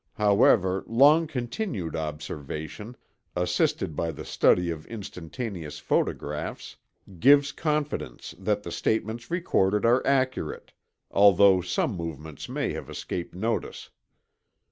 However, long continued observation, assisted by the study of instantaneous photographs, gives confidence that the statements recorded are accurate, although some movements may have escaped notice.